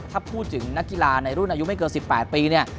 ถ้าพูดถึงนักกีฬาในรุ่นอายุไม่เกิน๑๘ปีเนี่ย